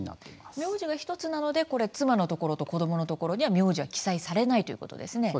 名字が１つなので妻のところと子どものところには名字が記載されないんですね。